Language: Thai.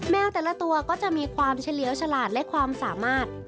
แมวแต่ละตัวก็จะมีความเฉลียวฉลาดและความสามารถ